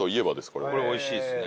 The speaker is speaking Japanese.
これおいしいですね。